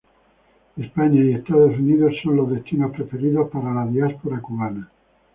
España y Estados Unidos son los destinos preferidos para la diáspora cubana.